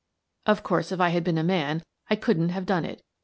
Of course, if I had been a man I couldn't have done it.